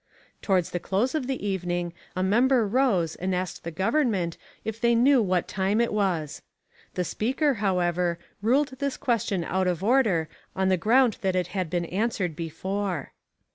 Towards the close of the evening a member rose and asked the government if they knew what time it was. The Speaker, however, ruled this question out of order on the ground that it had been answered before.